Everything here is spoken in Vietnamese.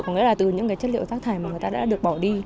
có nghĩa là từ những cái chất liệu rác thải mà người ta đã được bỏ đi